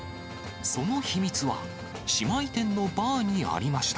その秘密は、姉妹店のバーにありました。